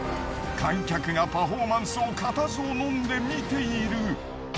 観客がパフォーマンスを固唾を呑んで観ている。